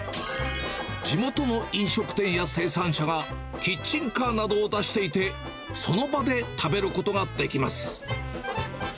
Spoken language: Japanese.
地元の飲食店や生産者がキッチンカーなどを出していて、その場で食べることができます。